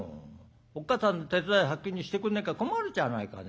おっかさんの手伝い先にしてくんなきゃ困るじゃないかね。